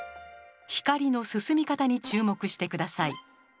光の進み方に注目して下さい。